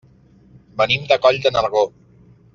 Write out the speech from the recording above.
Venim de Coll de Nargó.